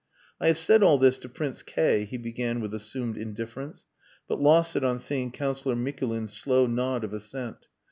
"I have said all this to Prince K ," he began with assumed indifference, but lost it on seeing Councillor Mikulin's slow nod of assent.